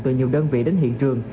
từ nhiều đơn vị đến hiện trường